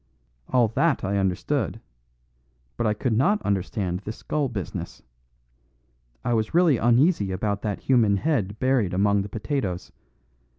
All that I understood; but I could not understand this skull business. I was really uneasy about that human head buried among the potatoes.